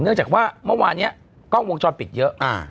เนื่องจากว่าเมื่อวานนี้กล้องวงจรปิดเยอะ